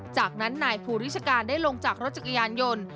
จากนั้นนายภูริชการได้ลงจากรถจักรยานยนต์